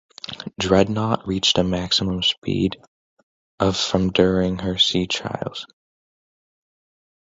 "Dreadnought" reached a maximum speed of from during her sea trials.